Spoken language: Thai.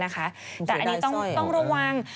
แต่อันนี้ต้องระวัง